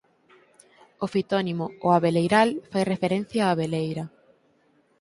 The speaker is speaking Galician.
O fitónimo O Abeleiral fai referencia á abeleira.